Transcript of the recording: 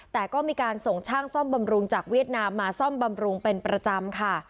แต่ก็มีการส่งช่างซ่อมบำรุงจากเวียดนามมาซ่อมบำรุงเป็นประจำค่ะ